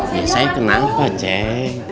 ya saya kenal apa cek